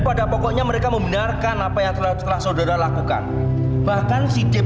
pada pokoknya mereka membenarkan apa yang telah saudara lakukan bahkan sidep